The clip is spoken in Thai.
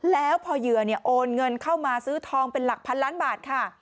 แล้วพอเหยื่อโอนเงินเข้ามาซื้อทองเป็นหลักพันล้านบาทค่ะ